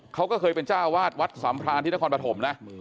เขาก็เคยเป็นจ้าวาสละสามพลาณที่นครปฐมนะ